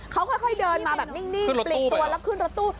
เขาค่อยเดินมาแบบนิ่งปลีกตัวแล้วขึ้นรถตู้